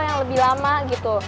yang lebih lama gitu